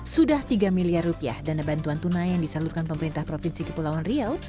sudah tiga miliar rupiah dana bantuan tunai yang disalurkan pemerintah provinsi kepulauan riau